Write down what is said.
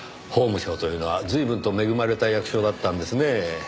法務省というのは随分と恵まれた役所だったんですねぇ。